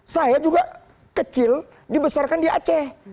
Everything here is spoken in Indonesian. saya juga kecil dibesarkan di aceh